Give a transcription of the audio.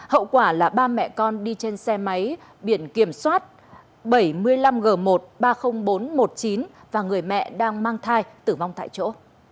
hậu quả là ba mẹ con đi trên xe máy biển kiểm soát bảy mươi năm g một ba mươi nghìn bốn trăm một mươi chín và người mẹ đang mang thai tử vong tại chỗ